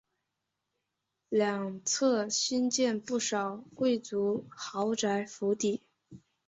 两侧兴建不少贵族豪宅府邸。